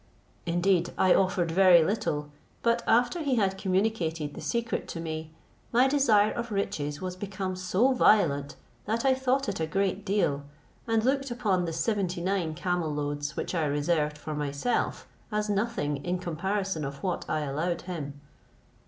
Indeed I offered very little, but after he had communicated the secret to me, my desire of riches was become so violent, that I thought it a great deal, and looked upon the seventy nine camel loads which I reserved for myself as nothing in comparison of what I allowed him.